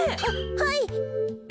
はい。